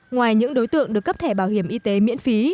ngoài những đối tượng được cấp thẻ bảo hiểm y tế miễn phí